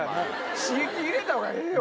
刺激入れた方がええよ。